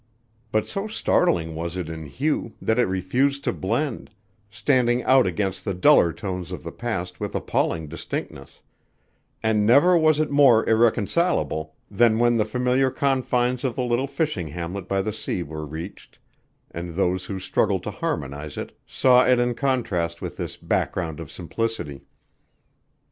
But so startling was it in hue that it refused to blend, standing out against the duller tones of the past with appalling distinctness; and never was it more irreconcilable than when the familiar confines of the little fishing hamlet by the sea were reached and those who struggled to harmonize it saw it in contrast with this background of simplicity.